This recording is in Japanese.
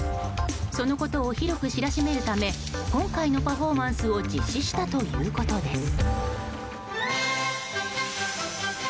そのことを広く知らしめるため今回のパフォーマンスを実施したということです。